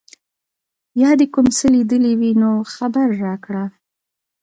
یا دي کوم څه لیدلي وي نو خبر راکړه.